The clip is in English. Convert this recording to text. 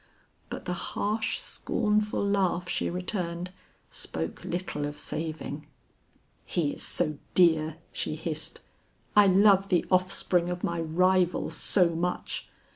But the harsh scornful laugh she returned, spoke little of saving. "He is so dear," she hissed. "I love the offspring of my rival so much!